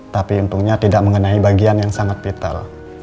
tapi untungnya tidak mengenai bagian yang sangat vital